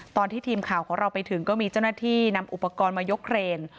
ตอนที่ทีมข่าวของเราไปถึงก็มีเจ้าหน้าที่นำอุปกรณ์มายกเครน